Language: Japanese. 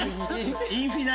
インフィ何？